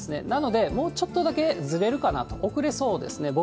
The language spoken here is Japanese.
なので、もうちょっとだけずれるかなと、遅れそうですね。